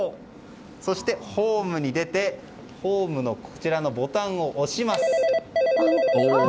そして、ホームに出てホームのボタンを押します。